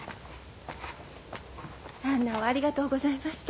杏奈をありがとうございました。